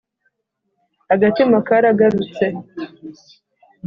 Agatima karagarutse